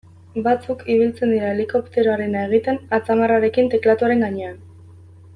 Batzuk ibiltzen dira helikopteroarena egiten atzamarrarekin teklatuaren gainean.